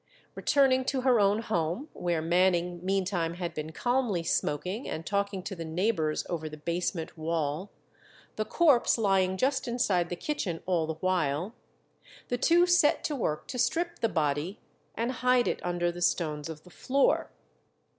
Returning to her own home, where Manning meantime had been calmly smoking and talking to the neighbours over the basement wall, the corpse lying just inside the kitchen all the while, the two set to work to strip the body and hide it under the stones of the floor.